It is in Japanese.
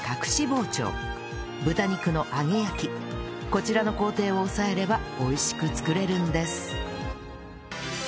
こちらの工程を押さえれば美味しく作れるんです